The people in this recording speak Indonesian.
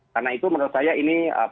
karena itu menurut saya ini